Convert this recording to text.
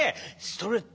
ストレッ！